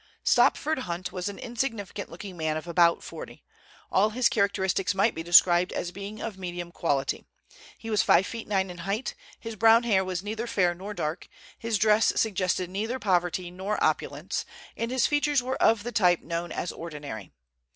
Stopford Hunt was an insignificant looking man of about forty. All his characteristics might be described as being of medium quality. He was five feet nine in height, his brown hair was neither fair nor dark, his dress suggested neither poverty nor opulence, and his features were of the type known as ordinary.